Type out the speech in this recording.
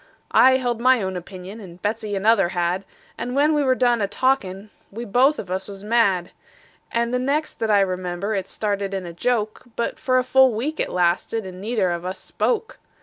I held my own opinion, and Betsey another had; And when we were done a talkin', we both of us was mad. And the next that I remember, it started in a joke; But full for a week it lasted, and neither of us spoke.